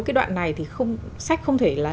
cái đoạn này thì sách không thể